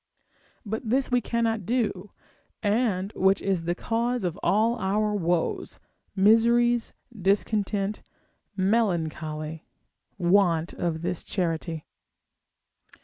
But this we cannot do; and which is the cause of all our woes, miseries, discontent, melancholy, want of this charity.